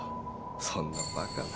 そんなバカな。